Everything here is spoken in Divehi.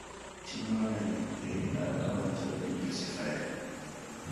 ތިންވަނައީ އެއީ ނަރަކަވަންތަވެރިންގެ ސިފައެއް